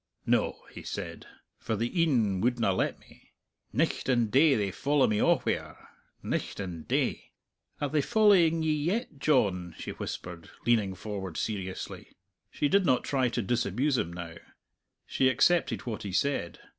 "No," he said; "for the een wouldna let me. Nicht and day they follow me a'where nicht and day." "Are they following ye yet, John?" she whispered, leaning forward seriously. She did not try to disabuse him now; she accepted what he said.